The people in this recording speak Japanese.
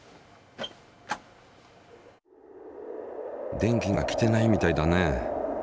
電気が来てないみたいだね。